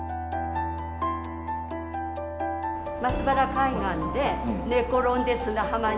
松原海岸で寝転んで砂浜に。